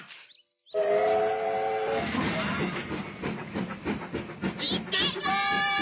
ポいってきます！